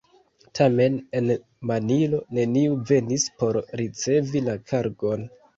Tamen en Manilo neniu venis por ricevi la kargon.